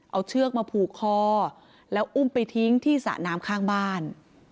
เอาเชือกมาผูกคอแล้วอุ้มไปทิ้งที่สระน้ำข้างบ้าน